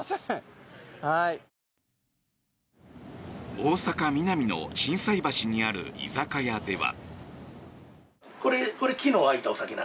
大阪・ミナミの心斎橋にある居酒屋では。